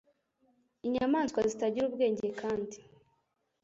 Inyamaswa zitagira ubwenge kandi